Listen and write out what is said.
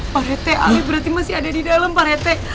pak rete ali berarti masih ada di dalam pak retek